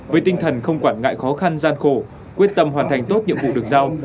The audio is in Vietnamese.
với tinh thần không quản ngại khó khăn gian khổ quyết tâm hoàn thành tốt nhiệm vụ được giao